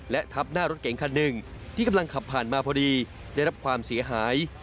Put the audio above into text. และทับหน้ารถเก๋งคันหนึ่งที่กำลังขับผ่านมาพอดีได้รับความเสียหาย